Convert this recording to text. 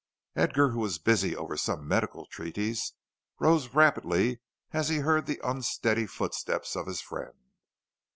Edgar, who was busy over some medical treatise, rose rapidly as he heard the unsteady footsteps of his friend.